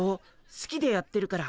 すきでやってるから。